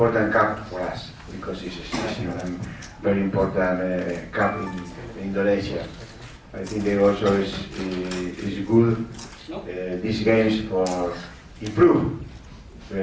dan mereka harus berdoa untuk berjuang